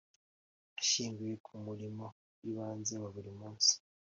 Hashingiwe ku murimo w ibanze wa buri munsi